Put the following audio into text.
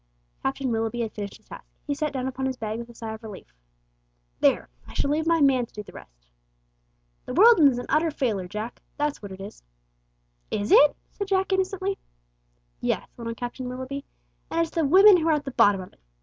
Captain Willoughby had finished his task. He sat down upon his bag with a sigh of relief. "There! I shall leave my man to do the rest. The world is an utter failure, Jack, that's what it is!" "Is it?" said Jack innocently. "Yes," went on Captain Willoughby. "And it's the women who are at the bottom of it.